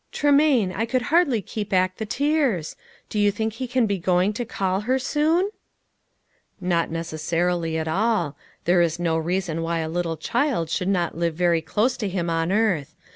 "Tremaine, I could hardly keep back the tears. Do you think He can be going to call her soon ?" AX OEDEAL. 303 "Not necessarily at all. There is no reason why a little child should not live very close to Him on earth.